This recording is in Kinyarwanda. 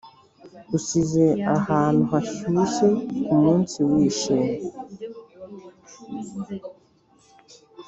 usize ahantu hashyushye k'umunsi wishimye,